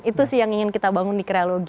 itu sih yang ingin kita bangun di kreologi